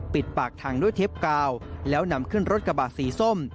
ปิดปากทางด้วยเทปกาวแล้วนำขึ้นรถกระบะสีส้ม